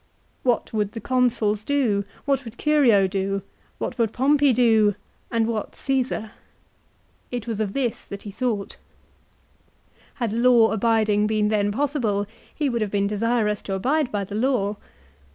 What would the Consuls do, what would Curio do, what would Pompey do, and what Caesar? It was of this that he thought. Had law abiding been then possible he would have been desirous to abide by the law.